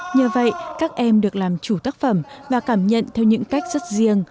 nhờ vậy các em được làm chủ tác phẩm và cảm nhận theo những cách rất riêng